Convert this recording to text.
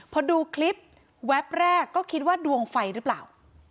พอดูคลิปแวบแรกก็คิดว่าดวงไฟหรือเปล่า